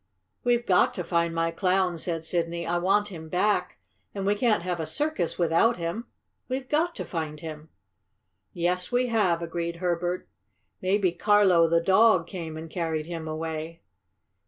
"We've got to find my Clown," said Sidney. "I want him back, and we can't have a circus without him. We've GOT to find him." "Yes, we have," agreed Herbert. "Maybe Carlo, the dog, came and carried him away."